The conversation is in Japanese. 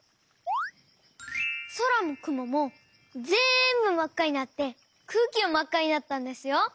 そらもくももぜんぶまっかになってくうきもまっかになったんですよ！